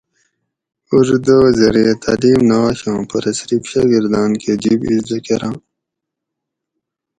اردو زریعہ تعلیم نہ آشاں پرہ صِرف شاۤگرداۤن کۤہ جِب اِزدہ کۤراۤں۔